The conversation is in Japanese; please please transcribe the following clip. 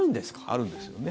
あるんですよね。